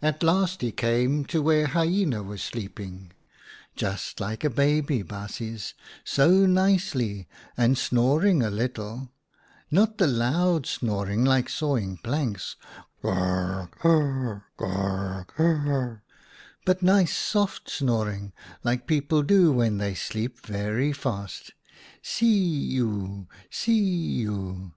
"At last he came to where Hyena was D 50 OUTA KAREL'S STORIES sleeping, just like a baby, baasjes, so nicely, and snoring a little : not the loud snoring like sawing planks — gorr korrr, gorr korr — but nice soft snoring like people do when they sleep very fast — see uw, see uw.